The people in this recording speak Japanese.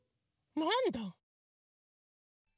なんだ！